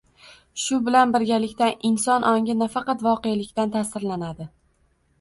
Shu bilan birgalikda, inson ongi nafaqat voqelikdan ta’sirlanadi